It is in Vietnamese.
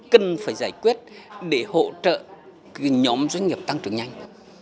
cần phải giải quyết để hỗ trợ nhóm doanh nghiệp tăng trưởng nhanh